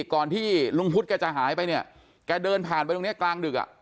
ก่อนที่ลุงพุทธแกจะหายไปเนี่ยแกเดินผ่านไปตรงนี้กลางดึก